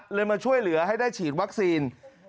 มาช่วยเหลือให้ได้ฉีดวัคซีน